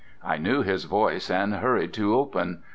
I knew his voice, and hurried to open.